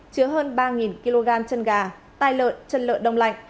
lô hàng gồm ba kg chân gà tài lợn chân lợn đông lạnh